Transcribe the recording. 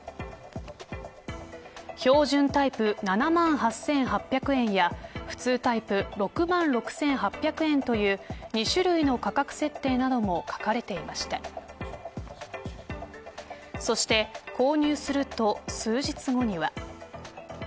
標準タイプ７万８８００円や普通タイプ６万６８００円という２種類の価格設定なども書かれていましたそして、購入すると数日後には。